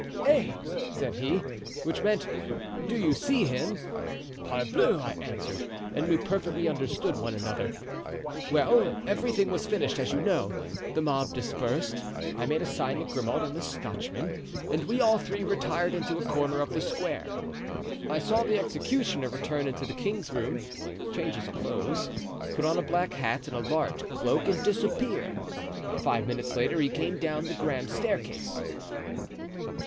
'Eh!' said he, which meant, 'Do you see him?' 'Parbleu!' I answered, and we perfectly understood one another. Well, everything was finished as you know. The mob dispersed. I made a sign to Grimaud and the Scotchman, and we all three retired into a corner of the square. I saw the executioner return into the king's room, change his clothes, put on a black hat and a large cloak and disappear. Five minutes later he came down the grand staircase."